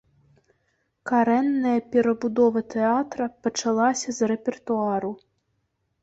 Карэнная перабудова тэатра пачалася з рэпертуару.